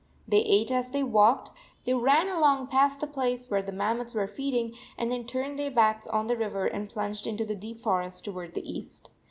They ate as they \valked. They ran along past the place where the mammoths were feeding and then turned their backs on the river and plunged into the deep forest toward the east.